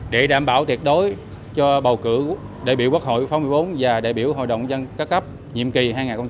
để đảm bảo tuyệt đối cho bầu cử đại biểu quốc hội phóng một mươi bốn và đại biểu hội đồng dân ca cấp nhiệm kỳ hai nghìn một mươi sáu hai nghìn hai mươi một